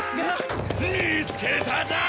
見つけたぞ！